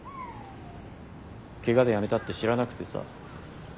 怪我でやめたって知らなくてさ。